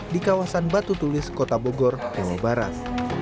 di kawasan batu tulis kota bogor jawa barat